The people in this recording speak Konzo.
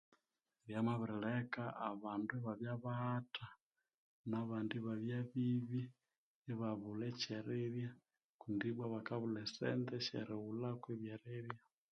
Byamabiri leka abandu ibabya baghatha na bandi ibabya bibi ibabulha ekyerirya kundi bwa bakabulha esente esyerighulako ebyerirya